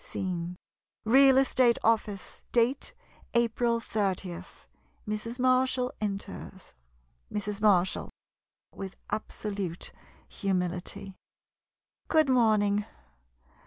Scene — Real Estate Office. Date — April 30. Mrs. Marshall enters. Mrs. Marshall [With absolute humility.'] Good morning.